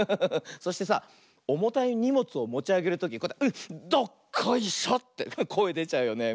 そしてさおもたいにもつをもちあげるとき「うっどっこいしょ！」ってこえでちゃうよね。